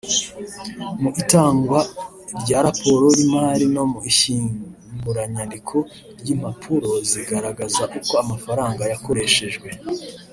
mu itangwa rya raporo y’imari no mu ishyinguranyandiko ry’impapuro zigaragaza uko amafaranga yakoreshejwe